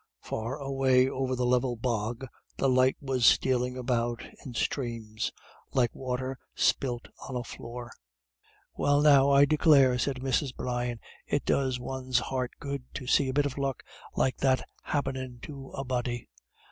Far away over the level bog the light was stealing about in streams like water spilt on a floor. "Well now, I declare," said Mrs. Brian, "it does one's heart good to see a bit of luck like that happenin' to a body."